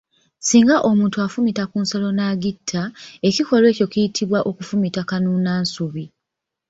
Singa omuntu afumita ku nsolo n’atagitta, ekikolwa ekyo kye bayita okufumita kanuunansubi.